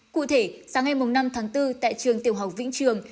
cụ thể sáng ngày năm tháng bốn tại trường tiểu học vĩnh trường